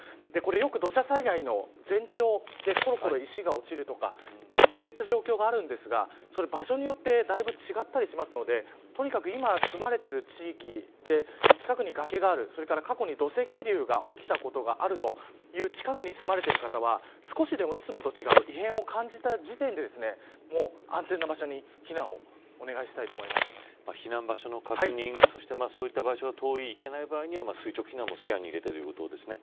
よく土砂災害の前兆で石がころころと落ちるとかそういった状況があるんですが場所によってだいぶ違ったりするのでとにかく今、住まれている地域で近くに崖があるそれから過去に土石流が起きたことがあるという近くに住まれている方は少しでもいつもと違う異変を感じた時点で安全な場所に避難を避難場所の確認そしてそういった場所に行けない場合は垂直避難も視野に入れてください。